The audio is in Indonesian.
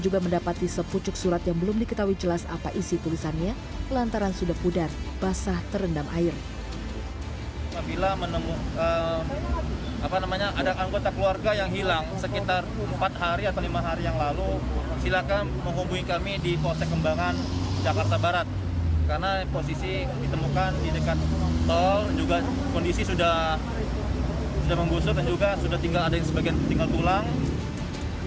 kondisi sudah menggusuk dan juga sudah tinggal ada yang sebagian tinggal pulang